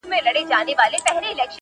د اوښکو شپه څنګه پر څوکه د باڼه تېرېږي؛